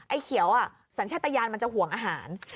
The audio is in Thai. เขียวสัญชาติยานมันจะห่วงอาหาร